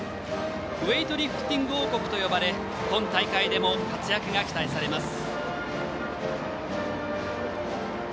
ウエイトリフティング王国と呼ばれ今大会でも活躍が期待されます。